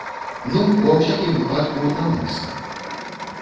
Ну, ва ўсякім выпадку, наўмысна.